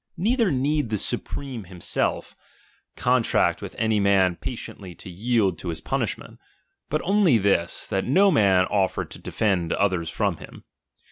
Neither need the supreme himself con tract with any man patiently to yield to his puu ishraent ; hut only this, that no man offer to defend others from him.